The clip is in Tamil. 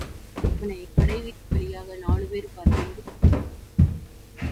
இவனைக்கடைவீதி வழியாக நாலுபேர் பார்க்க இழுத்துச் செல்லுங்கள்.